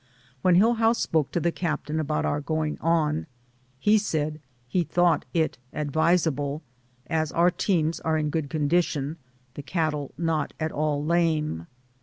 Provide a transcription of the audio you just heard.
When Hillhouse spoke to the captain about our going on, he said he thought it advisable, as our teams are in good con dition, the cattle not at all lame.